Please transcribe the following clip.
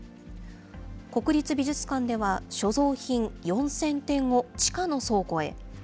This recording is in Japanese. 国立美術館では、所蔵品４０００点を地下の倉庫へ。